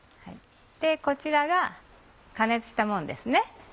こちらが加熱したものです。